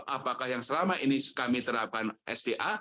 apakah yang selama ini kami terapkan sda